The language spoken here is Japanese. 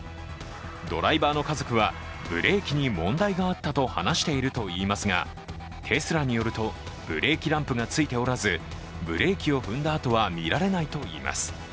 ドライバーの家族はブレーキに問題があったと話しているといいますがテスラによると、ブレーキランプがついておらず、ブレーキを踏んだ跡はみられないといいます。